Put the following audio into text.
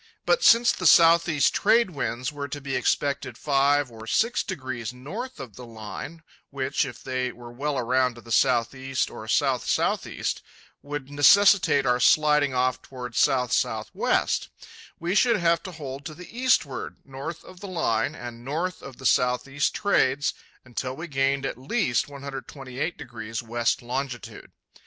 But since the southeast trades were to be expected five or six degrees north of the Line (which, if they were well around to the southeast or south southeast, would necessitate our sliding off toward south southwest), we should have to hold to the eastward, north of the Line, and north of the southeast trades, until we gained at least 128° west longitude.